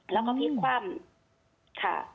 แล้วก็พลิกคว่ำค่ะ